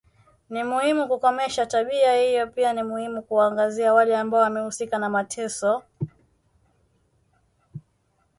Ni muhimu kukomesha tabia hiyo pia ni muhimu kuwaangazia wale ambao wamehusika na mateso